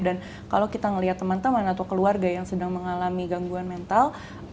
dan kalau kita ngelihat teman teman atau keluarga yang sedang mengalami gangguan mental